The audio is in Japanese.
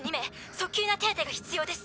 速急な手当てが必要です。